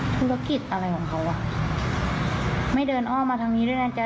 ธุรกิจอะไรของเขาอ่ะไม่เดินอ้อมมาทางนี้ด้วยนะจ๊